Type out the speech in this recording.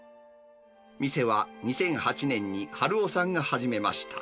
店は２００８年に春雄さんが始めました。